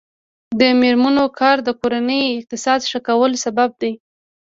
د میرمنو کار د کورنۍ اقتصاد ښه کولو سبب دی.